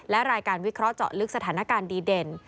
และรายการวิเคราะห์เจาะลึกสถานการณ์ดีเด่น